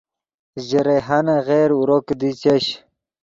ژے ریحانن غیر اورو کیدی چش